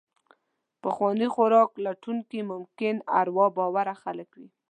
پخواني خوراک لټونکي ممکن اروا باوره خلک وو.